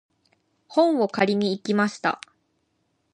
本を借りに行きました。